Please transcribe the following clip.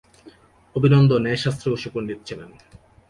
অভিনন্দ ন্যায়শাস্ত্রেও সুপন্ডিত ছিলেন।